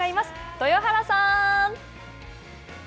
豊原さん。